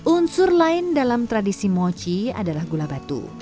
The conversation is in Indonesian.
unsur lain dalam tradisi mochi adalah gula batu